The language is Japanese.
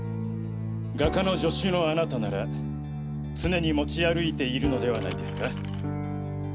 画家の助手のあなたなら常に持ち歩いているのではないですか。